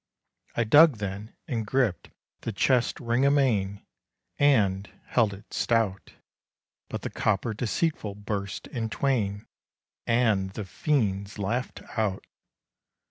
I dug then, and gripped the chest's ring amain, And held it stout; But the copper deceitful burst in twain, And the fiends laughed out.